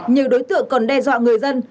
nhiều đối tượng còn đe dọa người dân